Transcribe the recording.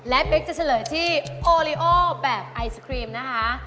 และเป๊กจะเฉลยที่โอลิโอแบบไอศครีมนะคะ